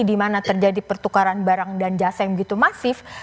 di mana terjadi pertukaran barang dan jasa yang begitu masif